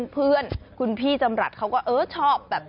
เพื่อนคุณพี่จำรัฐเขาก็เออชอบแบบ